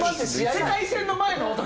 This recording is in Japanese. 世界戦の前の。